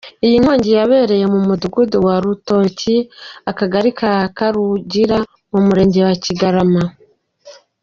Iyi nkongi yabereye mu Mudugudu wa Rutoki, Akagari ka Karugira mu Murenge wa Kigarama.